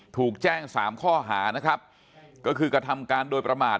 ถูกแจ้งสามข้อหานะครับก็คือกระทำการโดยประมาท